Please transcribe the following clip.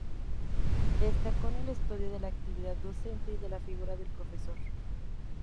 Destacó en el estudio de la actividad docente y de la figura del profesor.